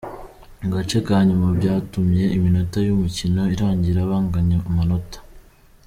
mu gace ka nyuma byatumye iminota ' y'umukino irangira banganya amanota